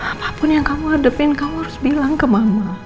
apapun yang kamu hadapin kamu harus bilang ke mama